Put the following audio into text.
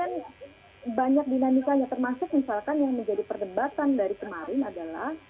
kan banyak dinamikanya termasuk misalkan yang menjadi perdebatan dari kemarin adalah